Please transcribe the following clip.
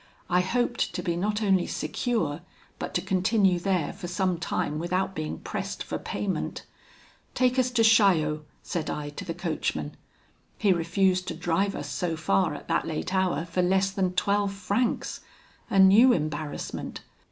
I hoped to be not only secure, but to continue there for some time without being pressed for payment. 'Take us to Chaillot,' said I to the coachman. He refused to drive us so far at that late hour for less than twelve francs. A new embarrassment!